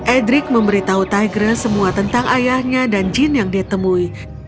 edric memberitahu tigress semua tentang ayahnya dan jin yang dia temui